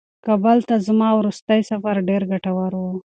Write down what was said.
کابل ته زما وروستی سفر ډېر ګټور و.